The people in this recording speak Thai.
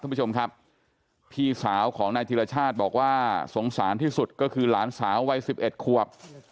คุณผู้ชมครับพี่สาวของนายธิรชาติบอกว่าสงสารที่สุดก็คือหลานสาววัย๑๑ควบ